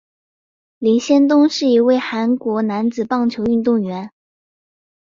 林仙东是一名韩国男子棒球运动员。